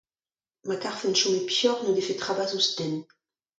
Ma karfent chom e peoc'h n'o defe trabas ouzh den!